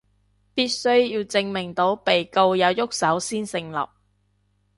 必須要證明到被告有郁手先成立